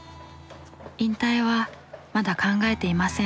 引退はまだ考えていません。